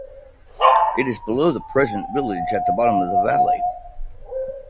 It is below the present village at the bottom of the valley.